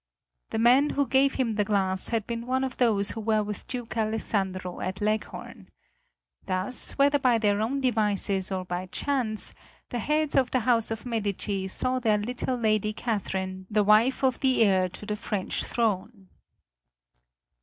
The man who gave him the glass had been one of those who were with Duke Alessandro at Leghorn. Thus, whether by their own devices or by chance, the heads of the house of Medici saw their little Lady Catherine the wife of the heir to the French throne.